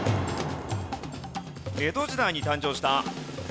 江戸時代に誕生した。